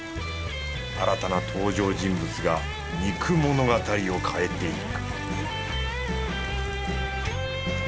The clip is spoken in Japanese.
新たな登場人物が肉物語を変えていく